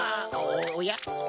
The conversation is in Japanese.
おや？